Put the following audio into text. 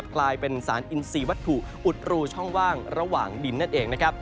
กลายเป็นสารอินซีวัตถุอุดรูช่องว่างระหว่างดินนั่นเองนะครับ